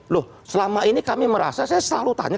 loh selama ini kami merasa saya selalu tanya